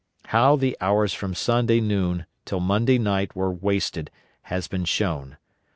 How the hours from Sunday noon till Monday night were wasted has been shown.